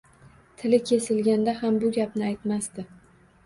Tili kesilganda ham bu gapni aytmasdi.